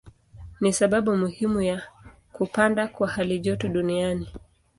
Ni sababu muhimu ya kupanda kwa halijoto duniani.